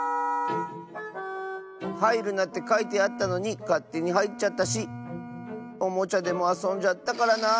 「はいるな！」ってかいてあったのにかってにはいっちゃったしおもちゃでもあそんじゃったからなあ。